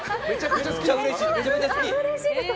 うれしいです。